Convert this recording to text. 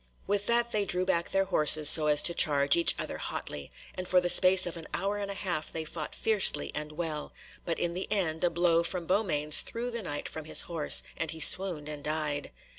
With that they drew back their horses so as to charge each other hotly, and for the space of an hour and a half they fought fiercely and well, but in the end a blow from Beaumains threw the Knight from his horse, and he swooned and died.